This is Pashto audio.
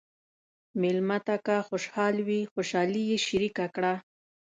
مېلمه ته که خوشحال وي، خوشالي یې شریکه کړه.